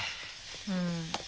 うん。